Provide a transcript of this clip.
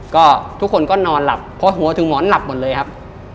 ก็ทุกคนก็นอนหลับเพราะหัวถึงหมอนหลับหมดเลยครับ